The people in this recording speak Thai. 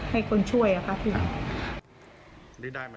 ให้คนช่วยอ่ะครับพี่อ่า